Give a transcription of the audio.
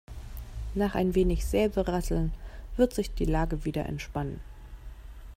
Nach ein wenig Säbelrasseln wird sich die Lage wieder entspannen.